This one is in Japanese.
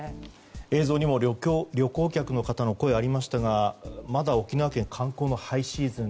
映像にも旅行客の方の声がありましたがまだ沖縄県観光のハイシーズン。